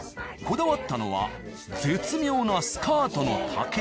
こだわったのは絶妙なスカートの丈。